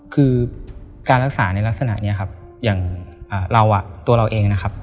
คือการรักษาในลักษณะนี้ครับอย่างเราตัวเราเองนะครับ